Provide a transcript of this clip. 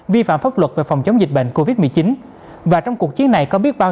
vi phạm pháp luật về phòng chống dịch bệnh covid một mươi chín và trong cuộc chiến này có biết bao